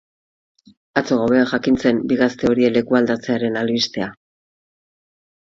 Atzo gauean jakin zen bi gazte horien lekualdatzearen albistea.